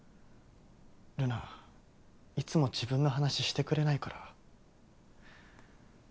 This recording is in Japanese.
留奈いつも自分の話してくれないから。